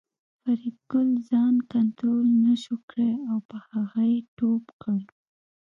فریدګل ځان کنترول نشو کړای او په هغه یې ټوپ کړ